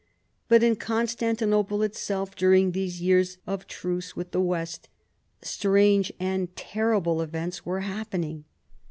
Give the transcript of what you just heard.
But in Constantinople itself during these years of truce with the "West, strange and terrible events were happening.